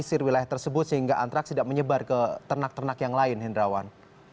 pesisir wilayah tersebut sehingga antraks tidak menyebar ke ternak ternak yang lain hendrawan